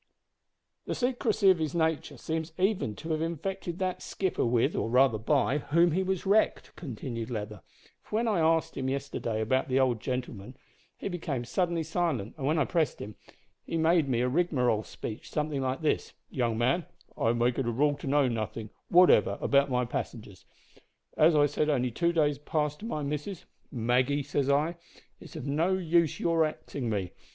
"The secrecy of his nature seems even to have infected that skipper with or rather by whom he was wrecked," continued Leather, "for when I asked him yesterday about the old gentleman, he became suddenly silent, and when I pressed him, he made me a rigmarole speech something like this: `Young man, I make it a rule to know nothin' whatever about my passengers. As I said only two days past to my missus: "Maggie," says I, "it's of no use your axin' me.